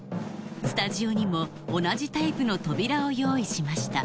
スタジオにも同じタイプの扉を用意しました